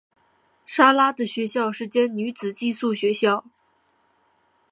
莎拉的学校是间女子寄宿学校。